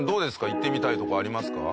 行ってみたい所ありますか？